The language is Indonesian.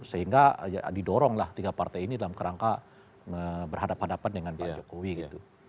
sehingga ya didoronglah tiga partai ini dalam kerangka berhadapan hadapan dengan pak jokowi gitu